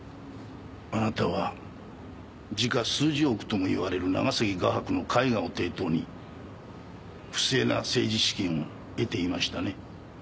あなたは時価数十億ともいわれる長崎画伯の絵画を抵当に不正な政治資金を得ていましたね。